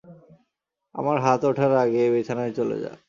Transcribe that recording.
আমার হাত উঠার আগে বিছানায় চলে যা।